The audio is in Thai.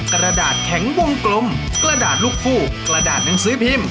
กระดาษแข็งวงกลมกระดาษลูกผู้กระดาษหนังสือพิมพ์